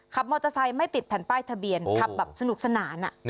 ขับมอเตอร์ไซค์ไม่ติดแผ่นป้ายทะเบียนขับแบบสนุกสนาน